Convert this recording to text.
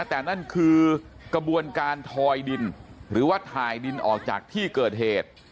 แต่นั่นคือกระบวนการทอยดินหรือว่าถ่ายดินออกจากที่เกิดเหตุ